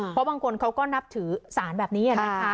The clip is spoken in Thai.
เพราะบางคนเขาก็นับถือสารแบบนี้นะคะ